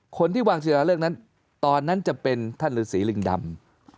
คนที่วางศิราเลือกนั้นตอนนั้นจะเป็นท่านฤษีลิงดำ